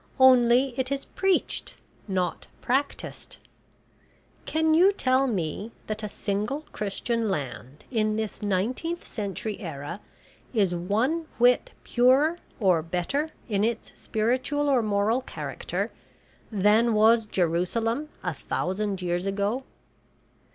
"Only it is preached not practised. Can you tell me that a single Christian land in this nineteenth century era is one whit purer or better in its spiritual or moral character than was Jerusalem a thousand years ago?